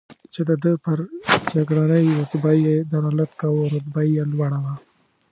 چې د ده پر جګړنۍ رتبه یې دلالت کاوه، رتبه یې لوړه وه.